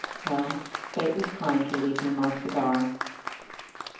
Well, Fate was kind to leave me my cigar.